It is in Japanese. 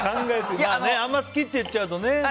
あんまり好きって言っちゃうとね。